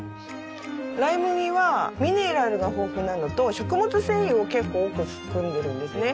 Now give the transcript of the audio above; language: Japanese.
ライ麦はミネラルが豊富なのと食物繊維を結構多く含んでいるんですね。